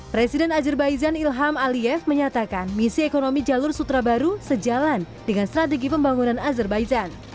presiden azerbaijan ilham alief menyatakan misi ekonomi jalur sutra baru sejalan dengan strategi pembangunan azerbaijan